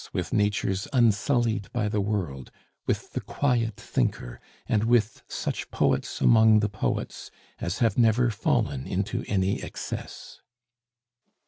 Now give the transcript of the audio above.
with natures unsullied by the world, with the quiet thinker, and with such poets among the poets as have never fallen into any excess.